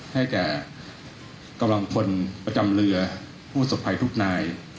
ให้แก่กำลังพลประจำเรือผู้สบภัยทุกนาย